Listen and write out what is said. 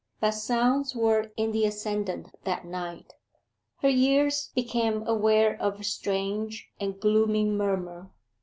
But sounds were in the ascendant that night. Her ears became aware of a strange and gloomy murmur.